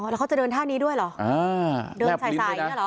แล้วเขาจะเดินท่านี้ด้วยเหรออ๋อ